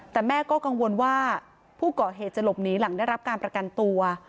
แต่แม่ก็กังวลว่าผู้ก่อเหตุจะหลบหนีหลังได้รับการประกันตัว